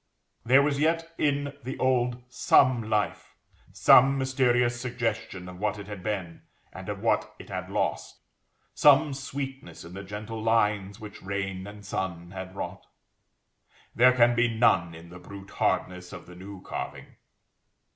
There was yet in the old some life, some mysterious suggestion of what it had been, and of what it had lost; some sweetness in the gentle lines which rain and sun had wrought. There can be none in the brute hardness of the new carving.